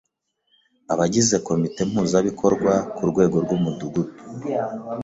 b. Abagize Komite Mpuzabikorwa ku rwego rw’Umudugudu